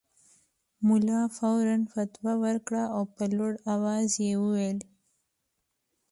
ملا فوراً فتوی ورکړه او په لوړ اواز یې وویل.